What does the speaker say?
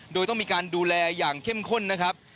โดยต้องมีการดูแลอย่างเข้มข้นนะครับ